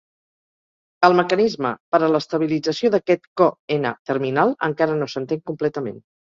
El mecanisme per a l'estabilització d'aquest Co N terminal encara no s'entén completament.